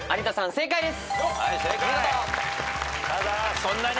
正解です。